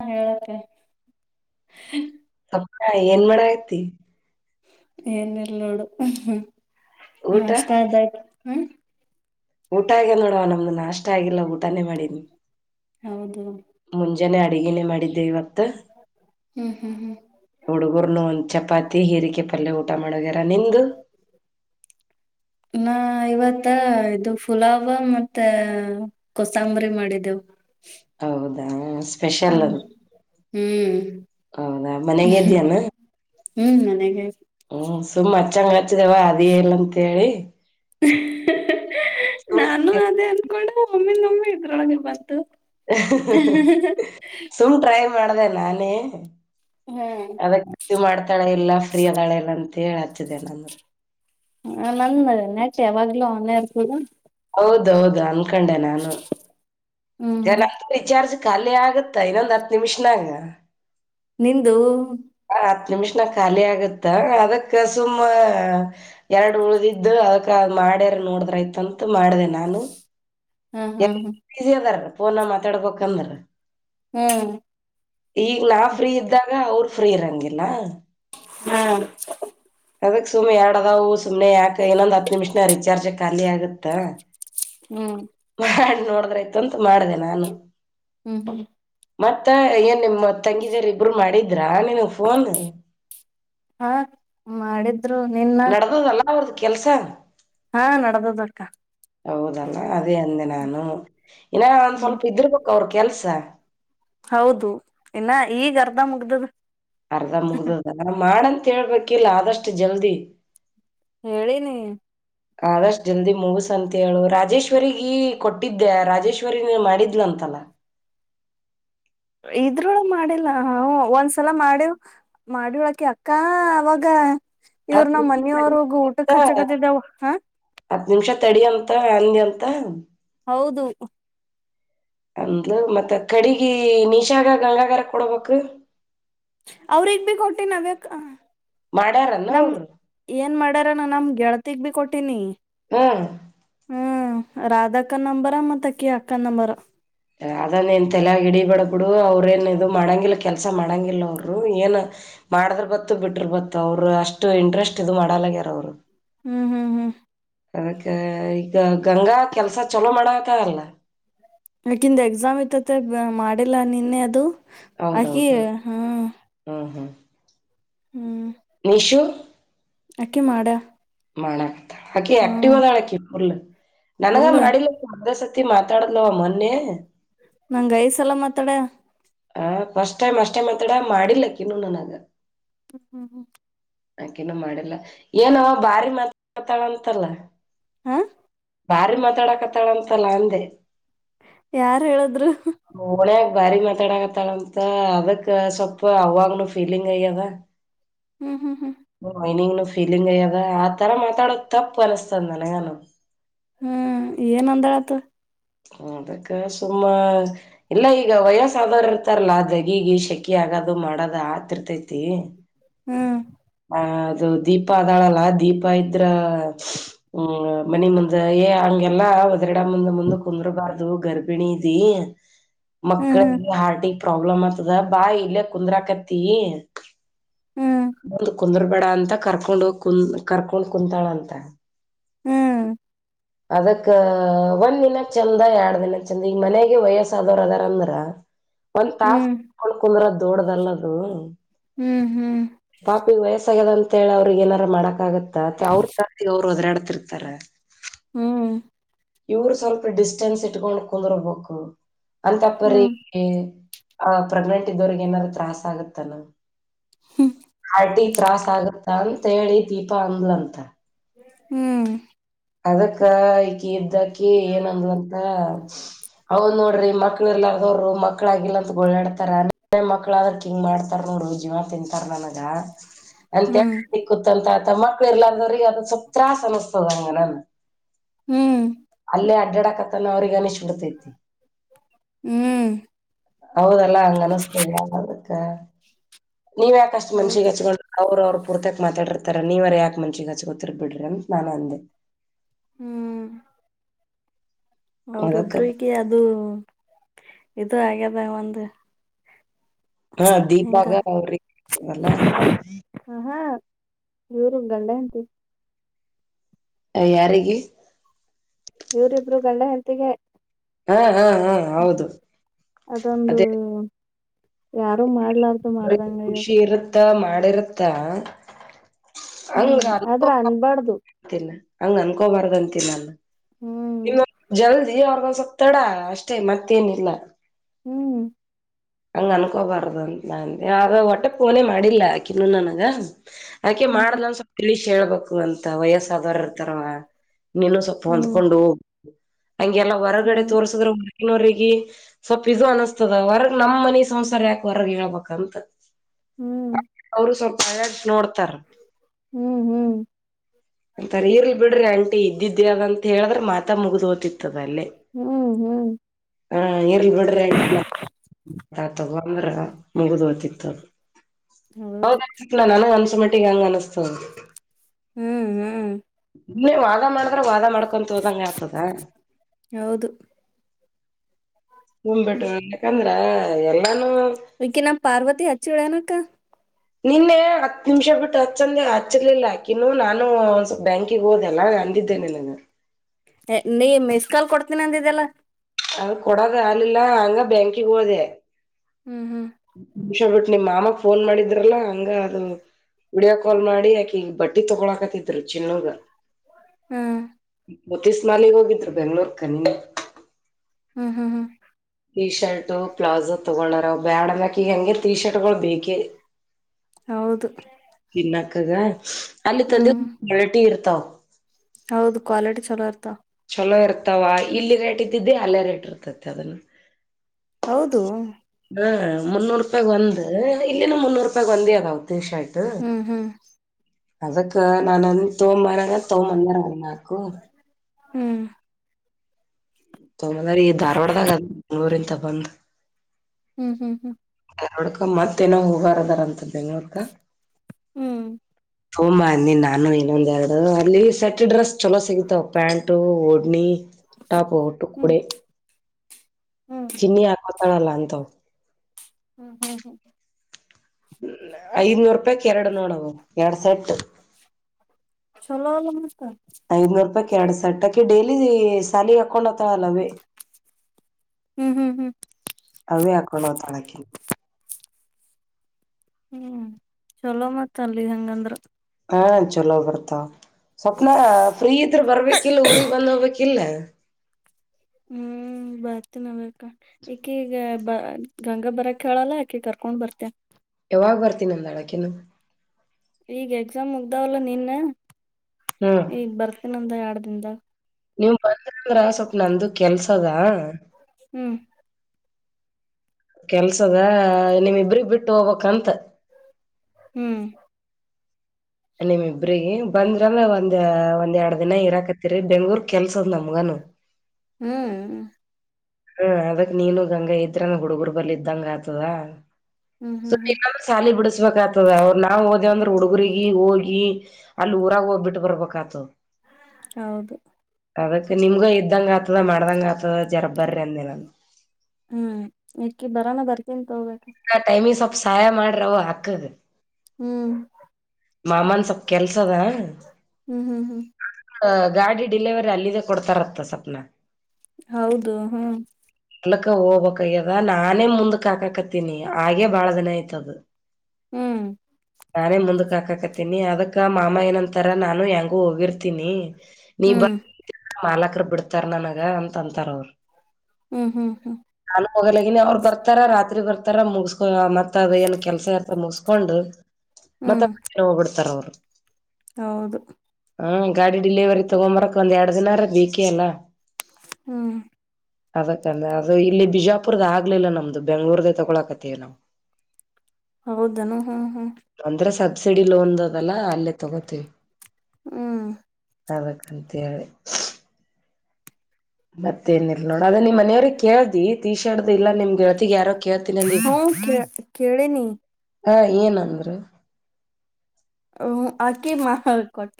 ಹಳಕ್ಕೆ ಏನ್ ಮಾಡಐತಿ ಏನ ಇಲ್ ನೋಡು ಊಟ ನಷ್ಟತದಾಯ್ತು ಹ್ಮ ಊಟ ಆಗೆ ನೋಡವ ನಮ್ದು ನಾಷ್ಟ ಆಗಿಲ್ಲ ಊಟಾನೇ ಮಾಡೀಿನಿ ಹೌದು ಜನ ಅಡುಗನೇ ಮಾಡಿದ್ದೆ ಇವತ್ತ ಹ್ಮ್ ಹ್ಮ್ ಹ್ಮ್ ಹುಡುಗರ್ನು ಒಂದ ಚಪಾತಿ ಹೀರಿಕೆ ಪಲ್ಯ ಊಟ ಮಾಡಗ್ಯಾರ ನಿಂದು ನಾ ಇವತ್ತ ಇದು ಪುಲಾವ ಮತ್ತೆ ಕೊಸಂಬರಿ ಮಾಡಿದ್ದೆವು ಹೌದಾ ಸ್ಪೆಷಲ್ ಅದು ಹ್ಮ್ ಹೌದಾ ಮನೆಗೆ ಇದ್ಯಾನ ಹ್ಮ್ ನನಗೆ ಹ್ಮ ಸುಮ್ಮ್ ಹಚ್ಚಂಗ ಹಚ್ಚಿದವ ಅದ ಲ್ಲ ಅಂತೇಳಿ ಹ ಸುಮ್ ನಾನು ಅದೇ ಅಂತ ಹಕೊಂಡು ಒಮ್ಮದ ನಮ್ಮಿ ಇದ್ರೊಳಗೆ ಬಂತು ಸುಮಟ್ರಾಯ ಮಾಡಡದ ನಾನ ಹ್ಮ್ ಅದಕ್ಕೆ ಇದು ಮಾಡ್ತಾಳೆ ಇಲ್ಲ ಫ್ರೀ ಅದಾಳೆ ಇಲ್ಲ ಅಂತ ಮ ಹೇಳ ಹಚ್ಚಿದೆ ನಾನು ಹ ನಂದನ್ ಯಾವಾಗ್ಲೂ ಆನರ್ ಕೂಡ ಹೌದೌದ ್ ಹ್ಮ್ [unintelligible] ಖಾಲಿ ಆಗುತ್ತಾ ಇನ್ನೊಂದ್ ಹತ್ ನಿಮಿಷನಾಗ ನಿಂದು ನಿಮಿಷ್ನ ಖಾಲಿ ಆಗತ್ತ ಅದಕ್ ಸುಮ್ಮ ಎರಡು ಉಳ್ದಿದ್ದು ಅದಕ್ ಅ ಮಾಡ್ಯಾರ ನೋಡಿದ್ರ ಆಐ್ತ ಮಾಡಿದೆ ನಾನು ಹಾ ಹಾ ಹ್ಮ್ ಈಸಿಯಂದರ ಫನ ಮಾತಾಡ್ಕಕ್ಂದ್ರ ಹ್ಮ್ ಈಗ ನಾ ಫ್ರೀ ಇದ್ದಾಗ ಅವ್ರ ಫ್ರೀ ಇರಂಗಿಲ್ಲ ಹ್ಮ್ ಅದಕ್ ಸುಮ್ಮನೆ ಎರಡ ಅದಾವವು ಸು್ನೆ ಯಾಕೆ ಕೈನೊಂದುತ್ತು ನಿಮಷನರಿಚಾರ್ರ್ಜ ಖಾಲಿ ಆಗುತ್ತಾ ಹ್ಮ್ ಮ ನೋಡಿದ್ರೆ ಇತ ಅಂತ ಮಾಡ್ದ ನಾನು ಹ್ಮ್ ಹ್ಮ್ ಮತ್ತ ಏನ್ ನಿಮ್ಮ ತಂಗಿದರ್ ಇಬ್ರು ಮಾಡಿದ್ರಾ ನೀನು ಫೋನ್ ಹಾ ಮಾಡಿದ್ದ ಆದ್ರು ನಿನ್ನ ಕೆಲ್ಸನ್ ಹಾ ನಡದದಕ್ಕ ಹೌದಲ್ಲ ಅದೇ ಅಂದೆ ನಾನು ಇನ್ನ ಒಂದ್ ಹ್ಮ್ ಸ್ವಲ್ಪ ಇದರ್ಬೇಕು ಅವ್ರ ಕೆಲ್ಸ ಮುಗದದ ಅರ್ಧ ಮುಗ್ದದ ಮಾಡಂತ ಹೇಳ್ಬೇಕಿಲ್ಲ ಆದಷ್ಟು ಜಲ್ದಿ ಹೇಳನಿ ಆದಷ್ಟ್ ಜಲ್ದಿ ಮುಗಸ ಅಂತ ಹೇಳು ರಾಜೇಶ್ವರಿಗ ಕೊಟ್ಟಿದ್ದೆ ರಾಜೇಶ್ವರಿ ನೀ ಮಾಡಿದ್ಲಂತಲ್ಲ ಇದ್ರೋಳು ಮಾಡಿಲ್ಲ ಒಂದ್ಸಲ ಮಾಡ್ಯಿವ್ ಮಾಡ್ಯವಳಕಿ ಅಕ್ಕ ಅವಾಗ ಇವ್ರ ಹತ್ತು ನಮ್ಮ್ ನಿಮಿಷ ಮನಿಯವ್ರೋಗ ಊಟಕ್ಕೆ ಹಚ್ಚಕತಿದಾವ ಹ ಹತ್ ನಿಮಷ ತಡಿ ಅಂತ ಹಂದಿ ಅಂತ ಹೌದು ಅಂದ್ ಮತ್ತ ಕಡಗಿ ನೀಶಾಗ ಗಂಗಾಾಗರ ಕೊಡಬೇಕು ಅವ್ರಿಗ್ ಭ ಕೊಟ್ಟಿ ನಾವ್ಯಾಕ್ ಮಾಡ್ಯಾರನ್ನ ನಮ ಅವ್ರು ಏನ್ ಮಾಡ್ಯಾರ ನ ನಮ ಗೆಳದ ತಗ ಬಿ ಕೊಟ್ಟೀ ನೀ ಹಾ ಹ್ಮ ರಾಧಾಕ್ಕ ನಂಬರ ಮತ್ತ ಅಕ್ಕಿ ಅಕ್ಕನ್ ನಂಬರ ಅದನ್ನ ಎಂತೆಲ್ಲ ಗಿಡೀ ಬಡ ಬಿಡು ಅವ್ರ ಏನ್ ಇದು ಮಾಡಂಗಿಲ್ಲ ಕೆಲ್ಸ ಮಾಡಂಗಿಲ್ಲ ಅವರು ಏನ್ ಮಾಡದ್ರ ಬತ್ತು ಬಿಟ್ರ ಬತ್ತು ಅವರು ಅಷ್ಟು ಇಂಟ್ರೆಸ್ಟ್ ಇದು ಮಾಡಲಗ್ಯಾರ ಅವರು ಹ್ಮ್ ಹ್ಮ್ ಹ್ಮ್ ಅದಕ್ಕೆ ಈಗ ಗಂಗಾ ಕೆಲಸ ಚಲೋ ಮಾಡಕ ಲ್ಲ ಯಾಕಿಂದು ಎಕ್ಸಾಮ್ ಇಐತತೆ ಮಾಡಿಲ್ಲಾ ನಿನ್ನೆ ಅದು ಅಿ ಹೌದೌದು ಹಾ ಹ್ಮ್ ಹ್ಮ್ ನಿಶು ಅಕ್ಕಿ ಮಾಡಾ ಮಾಡಣ ಹಾಕಿ ಆಕ್ಟಿವದಾಳ ಬಲ ನನಗ ಫುಲ್ ಮಾಡಾಡಿ ತಿ ಮಾತಾಡ ಲ ಮನೆ ನಂಗ್ೈಸ ಎಲ್ಲ ಮಾತಾಡ ಹ ಫಸ್ಟ್ ಟೈಮ್ ಅಷ್ಟ ಟೈಮ್ ಮಾತಾಡ ಮಾಡಿಿಲ್ಲಕ್ಕಿನ್ನು ನನಗ ಹ್ಮ್ ಹ್ಮ್ ಹ್ಮ್ ಆಾಕೆನು ಮಾಡಿಲ್ಲ ಏನ ಬಾರಿ ಮಾತ ಮಾತಾಳಂತಲ್ಲ ಹ ಬಾರಿ ಮಾತಾಡಕತ್ತಾಡಂತಲ್ಲ ಅಂದೆ ಯಾರ್ ಹೇಳದ್ರು ಾರಿ ಮ ತಡ ತಳಂತ ಅದಕ್ಕೆ ಸೊಪ್ಪ ಅವವಂಗನ ಫೀಲಿಂಗ್ ಯ್ಯದ ಹ್ಮ್ ಹ್ಮ್ ಹ್ಮ್ ಫೀಲಿಂಗ ಅಯ್ಯದ ಆ ತರ ಮಾತಾಡೋದು ತಪ್ಪು ಅನಿಸಸ್ತದನ ನಾನು ಹ್ಮ್ ಏಏನಂದಳತ್ತು ಅದಕ್ಕ ಸುಮ್ಮ ಇಲ್ಲ ಈಗ ವಯಸ್ ಆದರ್ ಇರ್ತಾರಲ್ಲಾ ದಗಿಗ ಶೆಕಿ ಆಗದು ಮಾಡದು ಆತಿರ್ತತಿ ಹ್ಮ್ ಆ ಅದು ದೀಪ ಅಾಳಲ್ಲ ದೀಪ ಇದ್ರ ಹ್ಮ್ ಮನಿ ಮುಂದ ಏ ಹಂಗೆಲ್ಲ ಕುಮ್ರಬಾದುು ಗರ್ಭಿಣಿ ದ ಹ್ಮ್ ಮಕ್ಕಳ ಹಾರಟಿ ಪ್ರಾಬ್ಲಮ್ ಆತದ ಬಾಯ ಇಲ್ಲ ಕುಂದ್ರಾಕತಿ ಹ್ಮ್ ಕುಂದ ಬೇಡ ಅಂತ ಕರ್ಕೊಂಡ ಹೋಗಿ ಕು ಕರ್ಕೊಂಡ್ ಕುಂತಾಳ ಅಂತ ಹ್ಮ್ ಅದಕ್ಕ ಒಂದ್ ದಿನ ಚಂದ ಎರಡ್ ದಿನ ಚಂದ ಈಗ ಮನೆಗೆ ವಯಸ್ಸಾದ ಆದವರ್ ಅದಾರಂದ್ರ ಒ ತಾಸ ಹ್ಮ್ ಕುರ ತೋಡದಲ್ಲದು ಹ್ಮ್ ಹ್ಮ ಬ ವಯಸ್ಸ ಆ್ಯದ ಅಂತ ಹೇಳಿ ಅವ್ರಿಗೆ ಏನಾರ ಮಾಡೋಕ್ಕಾಗುತ್ತೆ ಅವ್ರತಿ ಅವ್ರು ಅದ್ರೆ ಬಿರ್ತಾರೆ ಹ್ಮ್ ಇವರು ಸ್ವಲ್ಪ ಡಿಸ್ಟೆನ್ಸ್ ಇಟ್ಕೊಂಡು ಕುಂದರ್ಬೇಕು ಅಂತಪ್ಪ್ರ ಹ್ಮ್ ಆ ಪ್ರೆಗ್ನೆಂಟ್ ಇದ್ದವ್ರಗ್ ಏನಾದಾರೂ ತತ್ರಾಸ ಆಗತ್ತ ನ ಆಾರಟಿ ತ್ರಾಾಸ ಆಗತ್ತ ಮಂತ ಹೇಳಿ ದೀಪ ಅಂದ್ಲ ಅಂತ ಹ್ಮ್ ಅದಕ್ಕ ಈಕಿ ಇದ್ದಕ ಏನಂದಂತ ಅವನ್ ನೋಡ್ರಿ ಮಕ್ಳೆಲ್ಲ ಅವರು ಮಕ್ಳ ಆಾಗಿಿಲ್ಲ ಅಂತ ಗೋಳಾಡ್ತಾರ ನ ಮಕ್ಳ ಅದ್ರಕ್ ಹಿಂಗ್ ಮಾಡ್ತಾರ ನೋಡ ಜೀವ ತಿಂತಾರ ನನಗ ಹ್ಮ್ ಹ್ಮ್ ಅಂತ ಹ್ಮ್ ಸಿಕ್ಕತ್ಂತ ಮಕ್ಳ ಇಲಾರ್ರಿಗೆ ಅದ ಸ್ವಲ್ಪ ತತ್ರಾಸ ಅನಿಸಸ್ತದ ಹ ಹ್ಮ್ ಅಲ್ಲೇ ಅಡ್ಡಡ ಆತ್ತಲ್ಲ ಅವ್ರರಿಗೆ ಅ ಹ ತೈತಿ ಹ್ಮ್ ಹೌದಲ್ಲಾ ಹಂಗ ಅನಸ್ತದ ಅದಕ್ಕ ನೀವ ಯಾಕಷ್ಟು ಮನ್ಷಿಗೆ ಹೌದು ಹಚ್ಕೊಂಡ ಅವ್ರ ಅವ್ರ ಪೂರ್ತಾಕ್ ಮಾತಾಡಿರ್ತಾರ ನೀವರ ಯಾಕೆ ಮುಂಚಿಗ ಗೊತ್ತಿರ್ಬ ಬಿಡ್ರಿ ಅಂತ ನಾನನ್ ಅಂದೆ ಹ್ಮ್ ಅದಕ್ಕ ಅವ್ರೊಬ್ರರಿಗೆ ಅದು ಆಗ್ಯದ ಒಂದು ಹಾ ಹಿಂಗ ದೀಪಾಗ ಅವ್ರಿಗೆವಲ್ಲ ಇವರು ಗಂಡ ಎಂತ ಹ ಯಾರಿಗೆ ಇವರಿಿಬ್ರು ಗಲ್ಲ ಎಂತಗೆ ಹಾ ಹಾ ಹಾ ಹೌದು ಅದೊಂದು ಅದೇ ಯಾರು ಮಾಡ ಬ ಖುಷಿ ಇರ ಂತ ಮಾಡಿರ್ತ್ತ ಹ್ಮ್ ಆದ್ರ ಅನ್ಬಾಾರ್ದು ಹಂಗ್ ಅನ್ಕೋಬಾರ್ದ ಅಂತಿ ನಾನು ಹ್ಮ್ ಇನ್ನು ಜಲ್ ್ಯ ಅವಗಸ ತಡ ಅಷ್ಟೇ ಮತ್ತೇನಿಲ್ಲ ಹ್ಮ್ ಹಂಗ ಅನ್ಕೋಬಾರ್ದಂತ ನ ಆದ ಹೊಟ್ಟೆ ಫೋನೇ ಮಾಡಿಲ್ಲಕಿನ್ನು ನನಗ ಯಾಕೆ ಹ್ಮ್ ಮಾಡ್ಲ ಹ್ಮ್ ಒನ್ ಸ್ [unintelligible] ಹೇಳ್ಬೇಕು ಅಂತ ವಯಸ್ಸ ಆದಾರ ಇರ್ತಾರಲ ನಿನ್ನು ಸ್ವಲ್ಪ ಹ್ಮ್ ಹೊಂದ್ಕೊಂಡು ಹೋಗ್ ಹ ಹಂಗೆಲ್ಲ ಹೊರಗಡೆ ಹ್ಮ್ ತೋರ್ಸದ್ರು. ನವ್ರಿಗೆ ಸ್ವಲ್ಪ್ ಪ್ [unintelligible] ಅನಸ್ತದ ಅವರ ನಮ್ ಮನ ಸಂಸಾರ ಯಾಕೆ ಹೊರಗ್ ಇರಬೇಕಂತ ಹ್ಮ್ ಸ್ವಲ್ಪ ಅಲ್ಲಡ್ಸ್ ನೋಡ್ ಹ್ಮ್ ಹ್ಮ್ ಅಂತರ್ ಇರ್ಲ್ ಬಿಡ್ರಿ ಇದ್ದಿದ್ರ ಅಂತ ಹೇಳಿದ್ರೆ ಮಾತ ಮುಗುದೋ ಹೋಗ್ತಿತ್ತು ಅಲ್ಲೆ ಹ್ಮ್ ಹ್ಮ್ ಹಾಂ ಇರ್ಲಿಬಿಡಿ ಆಂಟಿನ... ತಗಂದ್ರ ಮುಗಿದ್ ಓತಿತ್ತು ಹೌದು ಹೌದ ಚಕ್ ನಾನು ಅನ್ಸ್ ಆಟಮೆಟಿಕ್ ಹಂಗ ಅನ್ಸ್ ಹ್ಮ್ ಹ್ಮ್ ಇನ್ನೆ ವಾದ ಮಾಡ್. ಸುಮ್ನೆ ವಾದ ಮಾಡ್ಕೊಂತ ಹೋದಂಗ ಆಗ್ತದ. ಹೌದು [unintelligible] ಅ ಎಲ್ಲಾನು. ವೆಕಿ ನಾ ಪಾರ್ವತಿ ಹಚ್ಚಿ ಉಳ್ಯನಕ್ಕ. ನಿನ್ನೆ ಹತ್ತು ನಿಮಿಷ ಬಿಟ್ಟು ಹಚ್ಚಂದೆ ಹಚ್ಚಿರ್ಲಿಲ್ಲ ಆಕಿನು ನಾನು ಒಂದ್ ಸ್ವಲ್ಪ ಬ್ಯಾಂಕಿಗೆ ಹೋದೆಲ್ಲ ಅಂದಿದ್ದೇನೆ ನಾನು ನೀ ಮಿಸ್ ಕಾಲ್ ಕೊಡ್ತೀನಿ ಅಂದ ಇದೆಲ್ಲ ಅ ಕೊಡದ ಆಲಿಲ್ಲ ಹಂಗ ಬ್ಯಾಂಕಿಗೆ ಹೋದೆ. ಹ್ಮ್ ಹ್ಮ್ [unintelligible] ನಿಮ ಮಾಮ ಫೋನ್ ಮಾಡಿದ್ರಲ್ಲಾ ಹಂಗ ಅದು ವಿಡಿಯೋ ಕಾಲ್ ಮಾಡಿ ಅಕಿಗೆ ಬಟ್ಟೆ ತಗೊಳಕತಿದ್ರು ಚಿನ್ನುಗ್ ಹ್ಮ್ ಮತ್ತೀಸ್ನಾಲಗ್ ಹೋಗಿದ್ರು ಬೆಂಗ್ಳೂರ್ಕ ನೀನ್ನ ಹ್ಮ್ ಹ್ಮ್ ಹ್ಮ್ ಟೀ ಶರ್ಟ್ ಪ್ಲಾಜೋ ತೊಗೋಳಾರ ಬ್ಯಾಡ ಅಕಿಗೆ ಈಗ ಹಂಗಗೆ ಟೀ ಶರ್ಟ್ಗಳು ಬೇಕೇ ಹೌದು ಆಕಾಗ ಅಲ್ಲಿ ತಂದಿ ಹ್ಮ್ ಕ್ವಾಲಿಟಿ ಇರುತ್ತೆ. ತ್ತವ್ ಹೌದು ಕ್ವಾಲಿಟಿ ಚಲೋ ಇರ್ತವ್. ಚಲೋ ಇರ್ತಾವ ಇಲ್ಲಿ ರೇಟ್ ಇದ್ದಿದ್ದಿ ಅಲ್ಲೇ ರೇಟ್ ಇರ್ತತೆ ಅದನ್ನು ಹೌದು ಹ ಮುನ್ನೂರು ರೂಪಾಯಿಗ್ ಒಂದ್ ಇಲ್ಲಿನ ಮುನ್ನೂ ರೂಪಾಯ್ ಒಂದ್ ಅದಾವು ಟಿ ಶರ್ಟ್ ಹ್ಮ್ ಹ್ಮ್ ಅದಕ್ಕ ನಾನ್ನೊಂದ್ ತೋಮಂಬಾರಾಗ ತೋಮಂದಾರ [unintelligible] ಹ್ಮ್ ತದರಿ ಧಾರ್ವಾಡದಾಗ ಮಂಗಗಳೂರಿಂತ ಬಂದ್ ಹ್ಮ್ ಹ್ಮ್ ಹ್ಮ್ ನೋಡ್ಕ ಮತ್ತೇನೋ ಹಬಾರ ಅದಾರಂತ ಬೆಂಗ್ಳೂರ್ಕ ಹ್ಮ್ ಹೋಂಬ ಅಂದಿ ನಾನು ಇನ್ನೊಂದ ಎರಡು ಅಲ್ಲಿ ಸೆಟ್ ಡ್ರೆಸ್ ಚಲೋ ಸಿಗಿತಾವ ಪ್ಯಾಂಟು ಓಡ್ನಿ ಟಾಪ ಹ್ಮ್ ಟುಕಡೆೆ ಹ್ಮ್ ಚಿನ್ನಿ ಹಾಕ್ ಕಲ್ಲ ಅಂತ ಹ್ಮ್ ಹ್ಮ್ ಹ್ಮ್ ಹ್ಮ ಐದನೂರು ರೂಪಾಯಿ ಎರಡು ನೋಡುುವ ಎರಡು ಸೆಟ್ ಚೊಲೋ ಎಲ್ಲ ಮಸ್ತ ಐದನೂರು ರೂಪಾಯಿ ಎರಡ್ ಸಟ್ಟಾಕಿ ಡೈಲಿ ಸಾಲ ಹಕೊಂಡತಳ ಅಲ್ಲವೇ ಹ್ಮ್ ಹ್ಮ್ ಹ್ಮ್ ಹಾಕೊಂಡ್ ಹೋತಾಳ್ ಅಕಿ ಹ್ಮ್ ಚಲೋ ಮತ್ತ ಅಲ್ಲಿ ಹಂಗಂದ್ರ ಹಾ ಚಲೋ ಬರ್ತಾ ಸ್ವಪ್ನ ಫ್ರೀ ಇದ್ರ ಬರ್ಬೇಕಿಲ್ಲ ಊಗ್ ಬಂದ ಹೋಗ್ಬೇಕಿಲ್ಲ ಹ ಹ್ಮ್ ಬರ್ತ ನಾವಕ ಈಕಿ ಈಗ ಬ ಗಂಗಾ ಬರ ಹೇಳಲ್ಲ ಆಕಿ ಕರ್ಕೊಂಡ್ ಬರ್ತೆ ಯಾವಾಗ ಬರ್ತೀನಿ ನಂದಾಡಕನು ಈಗ ಎಕ್ಸಾಮ್ ಮುಗ್ದಾವಲ್ಲ ನಿನ್ನ ಹ್ಮ್ ಈಗ ಬರ್ತೇನಂದ ಎಡ್ ದಿಂದದ ನೀವ ಬಂದಂದ್ರ ಸ್ವಪ್ ನಂದು ಕೆಲ್ಸದ ಹ್ಮ್ ಕೆಲ್ಸದ ನೀಮ ಇಬ್ರಗ್ ಬಿಟ್ಟು ಹೋಗ್ಬಕ್ಂತ ಹ್ಮ್ ನಿಮ ಇಬ್ರಗ ಬಂದ್ರಲ್ ಒಂದ್ ಒಂದ್ ಎರಡ್ ದಿನ ಇರಾಕತ್ತರಿ ಬೆಂಗಳೂರು ಕೆಲ್ಸದ್ ನಮಗನು ಹ್ಮ್ ಹ್ಮ ಅದಕ್ ನೀನು ಗಂಗಾ ಇದ್ರನ ಹುಡುಗರು ಬಲ್ಲಿ ಇದ್ದಂಗ ಆತದ ಹ್ಮ್ ಸ ಹ್ಮ್ ಹ್ಮ್ ಶಾಲಿ ಬಿಡ ಸ್ಬೇಕ ಆತದ ಅವ್ರು ನಾವವು ಹೋದೇವಂದ್ರ ಹುಗ್ರಗ ಹೋಗಿ ಅಲ್ಲಿ ಊರಾಗ ಹೋಗದ್ಬಿಟ್ಟು ಬರ್ಬೇಕ ಆತದ ಹೌದು ಅದಕ್ಕೆ ನಿಮ್ಗ ಇದ್ದಂಗ ಆತ ಮಾಡ್ದಂಗ ಅ ಜರ ಬರ್ರಂದಿಲ್ಲ ಹ್ಮ್ ಎಕ್ಕಿ ಬರಾನ ಬರ್ತನ್ ಟೈಮಿಂಗ ಸ ಸಹಾಯ ಮಾಡ್ರವು ಹಕ್ಕದ ಹ್ಮ್ ಮಾಮನ್ ಸ್ವಲ್ಪ ಕೆಲ್ಸದ ಹ್ಮ್ ಹ್ಮ್ ಹ್ಮ್ ಗಾಡಿ ಡಿಲಿವರಿ ಅಲ್ಲಿದೆೇ ಕೊಡ್ತಾರತ್ತ ಸ್ವಪ್ನ ಹೌದು ಹ್ಮ್ ಎಕ್ಕ ಹೋಗಬಬೇಕಕ್ಯ್ಯದ ನಾನೇ ಮುಂದಕ್ಕೆ ಹಕಕ ಹಾಗೆ ಬಹಳ ದಿನ ಆಯ್ತದ ಹ್ಮ್ ನಾನೇ ಮುಂದಕ್ ಹಾಕಕತೀನಿ ಅದಕ್ಕ ಮಾಮ ಏನಂತರ ನಾನು ಹೆಂಗು ಹೋಗಿರ್ತೀನಿ ನೀ ಬಲ ಹ್ಮ್ ಅ ಬಿಡ್ತಾರ ನನಗ ಅಂತ ಅಂತಾರ ಅವರು ಹ್ಮ್ ಹ್ಮ್ ಹ್ಮ್ ನಾನು ಹೋಗಲಗನಿ ಅವ್ರು ಬರ್ತಾರ ರಾತ್ರಿ ಬರ್ತ ಆರ ಮುಗಕೋ ಮತ್ತ ಏನ್ ಕೆಲಸ ಇರ್ತಾ ಮು ಹಕ್ಕೊಂಡ ಹ್ಮ್ ಮತ್ತತ್ ಅ ಹೋಗಬಡ್ತಾರ ಅವ್ರು ಹೌದು ಹಾ ಗಾಡಿ ಡಿಲಿವರಿ ತಗೊಂಬರಕ್ ಒಂದ ಎರಡ್ ದಿನರ ಬೇಕಿ ಅಲ್ಲ ಹ್ಮ್ ಅದಕ್ಕಂದ್ರೆ ಅದು ಇಲ್ಲಿ ಬಿಜಾಪುರ್ದ ಆಗ್ಲಿಲ್ಲ ನಮ್ದು ಬೆಂಗ್ಳೂರ್ದ ಕಲಕತನವು ಹೌದನು ಹ್ಮ್ ಹ್ಮ್ ಅಂದ್ರೆ ಸಬ್ಸಿಡಿ ಲೋನ್ದಲ್ಲ ಅಲ್ಲೇ ತಗೋತೀವಿ ಹ್ಮ್ ಅದಕ್ಕಂತ ಹೇಳಿ ಮತ್ತೇನಿಲ್ಲ ನೋಡ ಅದ ನಿಮ್ಮ ಮನೆಯವ್ರಿಗೆ ಕೇಳ್ದಿ ಟೀ ಶರ್ಟ್ ಇಲ್ಲ ನಿಮ್ಗೆಳ್ತಿಗೆ ಯಾರ ಹ ಕೆ ಕೆೇಳೆ ನೀ ಹಾ ಏನಂದ್ರರು ಹ್ ಆಕಿ ಮಾ ಕೊಟ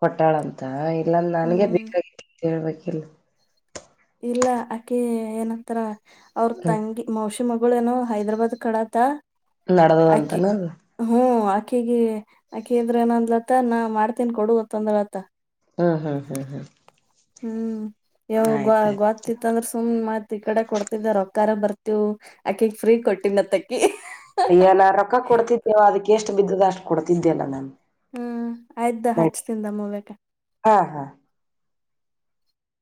ಹೊಟ್ಟಾಳ ಅಂತ ಇಲ್ಲಾಂದ ನನ್ಗೆ ಬೇಕಾಗಿ ತಿುವಕೀಲ್ ಇಲ್ಲ ಆಕೆ ಏನಂತರ ಅವ್ರ ಹ್ಮ್ ತಂಗಿ ಮೋಷ ಅ ಮಗಳು ಏನು ಹೈದ್ರಾಬಾದ್ ಕಡತ ನಡದದಂತನ ಅಕ್ಕಿಗೆ ಆಕ್ಕಿ ಇದ್ರ ನಂದ್ಲತ ನಾ ಮಾಡ್ತೀನ್ ಕೊಡತ್ತಂದ್ರತ ಹ್ಮ ಹಾ ಹಾ ಹಾ ಹ್ಮ್ ಯಾವ ಗ ಗೊತ್ತಿತ್ತ ಅಂದ್ರೆ ಸುಮ್ನೆ ಮತ್ ಈ ಕಡೆ ಕೊಡ್ತಿದ್ದ ರೊಕ್ಕಕಾರ ಬರ್ತಿವ ಅಕ್ಕಿಂಗ ಫ್ರೀ ಕೊಡಕತ್ತಾನ್ ಅಯ್ಯ ನಾ ರೊಕ್ಕ ಕೊಡ್ತಿದ್ದೇವ ಅದಕ್ಕೆ ಎಷ್ಟು ಬಿದ್ದದ ಅಷ್ಟು ಕೊಡ್ತಿದ್ದೆಲ್ಲಾ ನಾನು ಹ್ಮ ಆಯ್ದ ಹಚ್ಚಿತ್ತಿನಿ ದಮ್ ಹೊಲಕಾ ಹಾ ಹಾ